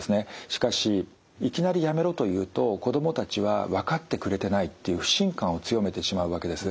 しかしいきなり「やめろ」と言うと子供たちは分かってくれてないっていう不信感を強めてしまうわけです。